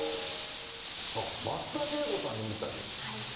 あっ、松田聖子さんにインタビュー。